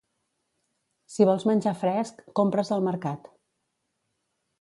Si vols menjar fresc, compres al mercat.